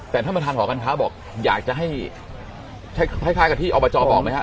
แต่ท่านประทานหอกันครับบอกอยากจะให้ใช้คล้ายคล้ายกับที่ออกมาจอบอกไหมฮะ